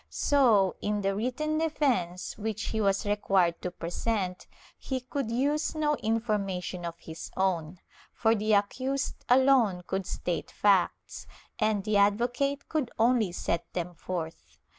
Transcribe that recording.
So, in the written defence which he was required to present, he could use no information of his own, for the accused alone could state facts, and the advo cate could only set them forth.